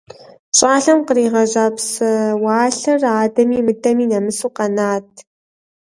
ЩӀалэм къригъэжьа псэуалъэр адэми мыдэми нэмысу къэнат.